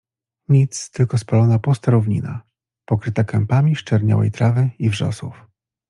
Nic — tylko spalona pusta równina, pokryta kępami sczerniałej trawy i wrzosów.